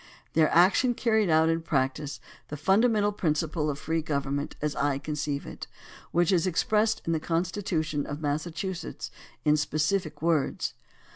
Their action carried out in practice the fundamental principle of free government, as I conceive it, which is expressed in the constitution of Massachusetts in specific words.